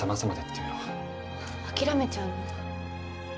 諦めちゃうの？